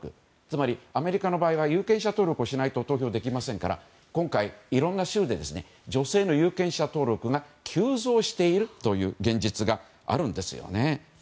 つまりアメリカの場合は有権者登録しなければ投票できませんから今回いろいろな州で女性の有権者登録が急増しているという現実があるんですよね。